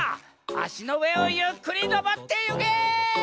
あしのうえをゆっくりのぼってゆけ！